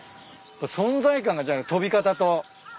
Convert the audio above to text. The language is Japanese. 存在感が飛び方と。